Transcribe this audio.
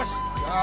あ。